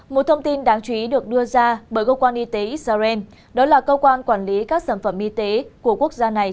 một thông tin đáng chú ý được đưa ra bởi cơ quan y tế israel đó là cơ quan quản lý các sản phẩm y tế của quốc gia này